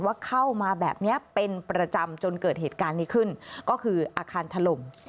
เข้ามาแบบนี้เป็นประจำจนเกิดเหตุการณ์นี้ขึ้นก็คืออาคารถล่ม